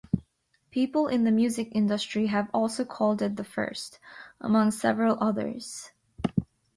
People in the music industry have also called it the first, among several others.